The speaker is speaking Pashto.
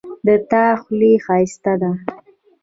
د تا خولی ښایسته ده